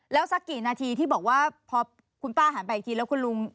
แล้วสักกี่นาทีที่บอกว่าพอคุณป้าหันไปอีกทีแล้วคุณลุง